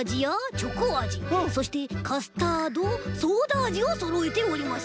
チョコあじそしてカスタードソーダあじをそろえております。